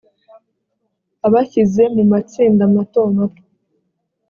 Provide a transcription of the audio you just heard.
abashyize mu matsinda mato mato